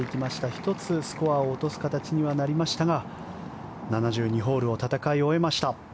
１つスコアを落とす形にはなりましたが７２ホールを戦い終えました。